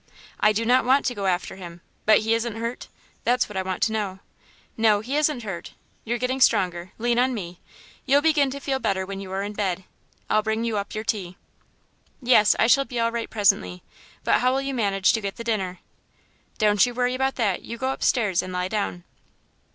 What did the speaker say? "I do not want to go after him; but he isn't hurt? That's what I want to know." "No, he isn't hurt.... You're getting stronger.... Lean on me. You'll begin to feel better when you are in bed. I'll bring you up your tea." "Yes, I shall be all right presently. But how'll you manage to get the dinner?" "Don't you worry about that; you go upstairs and lie down."